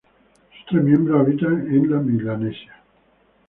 Sus tres miembros habitan en la Melanesia.